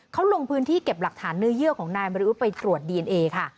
เขาลงพื้นที่เก็บหลักฐานเนื้อเยื่อของนายมริอุทไปตรวจดีเอนเอค่ะ